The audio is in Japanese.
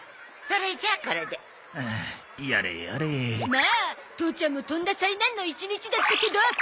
まあ父ちゃんもとんだ災難の一日だったけど。